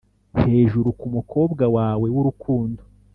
'hejuru kumukobwa wawe wurukundo,